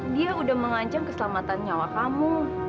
dia udah mengancam keselamatan nyawa kamu